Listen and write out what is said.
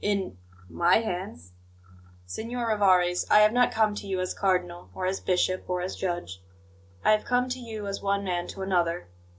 "In my hands?" "Signor Rivarez, I have not come to you as cardinal, or as bishop, or as judge; I have come to you as one man to another.